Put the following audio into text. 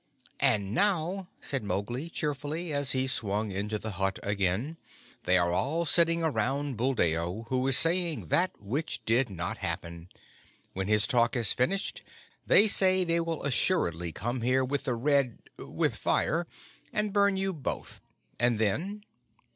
"And now," said Mowgli, cheerfully, as he swung into the hut again, "they are all sitting round Buldeo, who is saying that which did not happen. When his talk is finished, they say they will assuredly come here with the Red with fire and burn you both. And then?"